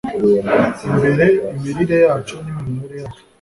imbere imirire yacu n’iminywere yacu.